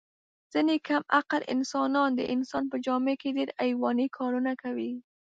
ځنې کم عقل انسانان د انسان په جامه کې ډېر حیواني کارونه کوي.